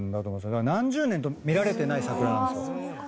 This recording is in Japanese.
だから何十年と見られてない桜なんです。